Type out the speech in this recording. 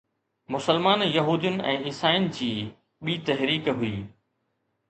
مسلمان يهودين ۽ عيسائين جي ٻي تحريڪ هئي